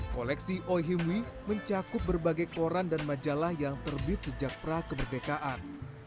koleksi oi himwi mencakup berbagai koran dan majalah yang terbit sejak pra kemerdekaan